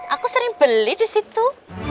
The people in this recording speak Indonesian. aku sering beli disitu